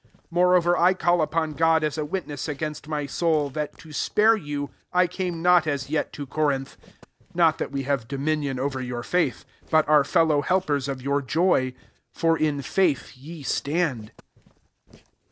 23 Moreover I call upon God as a witness against my soul, that to spare you, I came not as yet to Corinth : 24 (not that we have dominion over your faith,^ but are fellow helpers, of your joy ; for in faith ye stand.)